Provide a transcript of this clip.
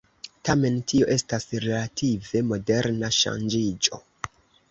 Tamen, tio estas relative moderna ŝanĝiĝo.